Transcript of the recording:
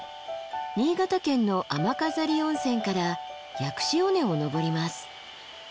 新潟県の雨飾温泉から薬師尾根を登ります。